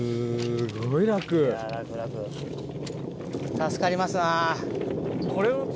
助かりますな。